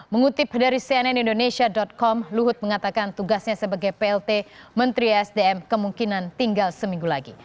mengutip dari cnn indonesia com luhut mengatakan tugasnya sebagai plt menteri esdm kemungkinan tinggal seminggu lagi